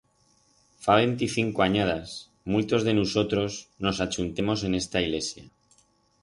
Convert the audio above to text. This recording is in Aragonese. Fa venticinco anyadas, muitos de nusotros nos achuntemos en esta ilesia.